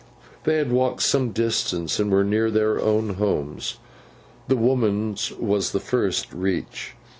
They had walked some distance, and were near their own homes. The woman's was the first reached.